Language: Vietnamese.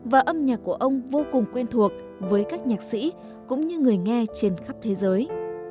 và âm nhạc của ông vô cùng quen thuộc với các nhạc sĩ cũng như người nghe trên khắp thế giới